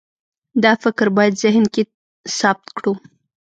دا فکر باید ذهن کې ثبت کړو.